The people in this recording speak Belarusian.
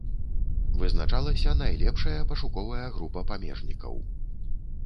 Вызначалася найлепшая пашуковая група памежнікаў.